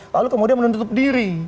lalu kemudian menutup diri